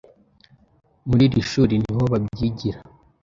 muri iri shuri niho babyigira